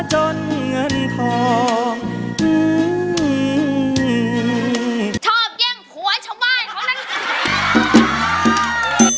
ชอบเกี้ยงหัวชมายของนั้น